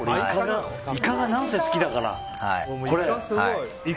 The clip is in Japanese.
イカが何せ好きだから。